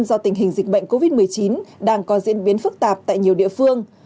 do tình hình dịch bệnh covid một mươi chín đang có diễn biến phức tạp tại nhiều địa phương